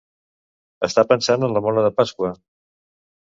Estar pensant en la mona de Pasqua.